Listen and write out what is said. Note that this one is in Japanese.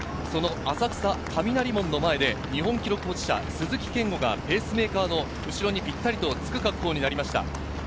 その浅草・雷門の前で日本記録保持者・鈴木健吾がペースメーカーの後ろにぴったりとつく格好になりました。